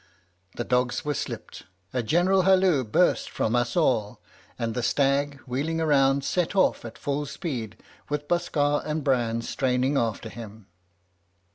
"The dogs were slipped; a general halloo burst from us all, and the stag, wheeling round, set off at full speed, with Buskar and Bran straining after him.